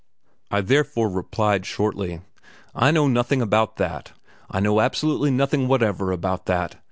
I therefore replied shortly, "I know nothing about that! I know absolutely nothing whatever about that!